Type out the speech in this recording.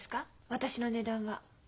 私の値段は。